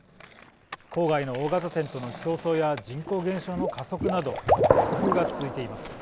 郊外の大型店との競争や人口減少の加速など逆風が続いています。